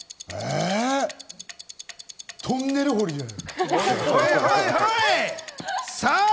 トンネル掘りじゃない？